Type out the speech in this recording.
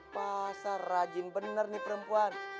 pasar rajin benar nih perempuan